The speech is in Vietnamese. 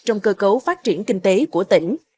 trong cơ cấu phát triển kinh tế của tỉnh